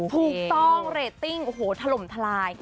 ถูกต้องเรตติ้งโอ้โหถล่มทลาย